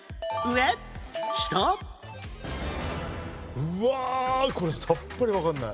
うわあこれさっぱりわかんない。